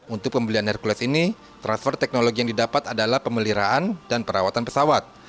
untuk pembelian hercules ini transfer teknologi yang didapat adalah pemeliharaan dan perawatan pesawat